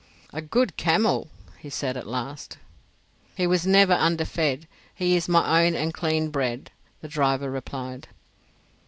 "A good camel," he said at last. "He was never underfed. He is my own and clean bred," the driver replied.